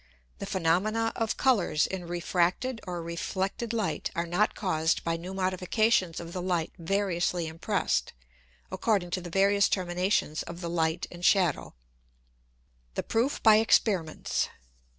_The Phænomena of Colours in refracted or reflected Light are not caused by new Modifications of the Light variously impress'd, according to the various Terminations of the Light and Shadow_. The PROOF by Experiments.